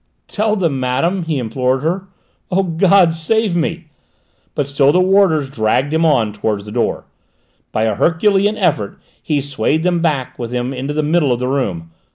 "Tell them, madame," he implored her. "Oh, God save me!" but still the warders dragged him towards the door. By an herculean effort he swayed them back with him into the middle of the room.